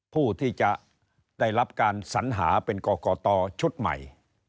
ผู้ที่จะได้รับการสัญหาเป็นกรกตชุดใหม่